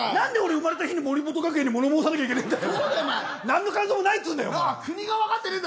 なんで俺が生まれた日に森友学園にもの申さなきゃいけないんだよ。